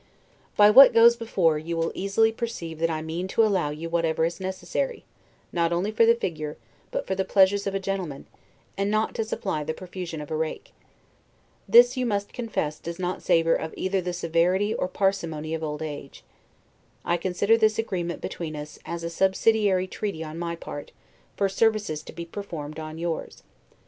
By what goes before, you will easily perceive that I mean to allow you whatever is necessary, not only for the figure, but for the pleasures of a gentleman, and not to supply the profusion of a rake. This, you must confess, does not savor of either the severity or parsimony of old age. I consider this agreement between us, as a subsidiary treaty on my part, for services to be performed on yours.